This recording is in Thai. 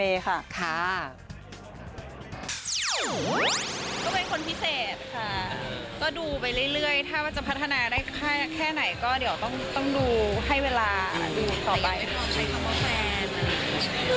ใช้คำว่าแฟน